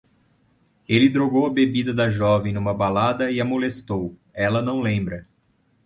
Ele drogou a bebida da jovem numa balada e a molestou. Ela não lembra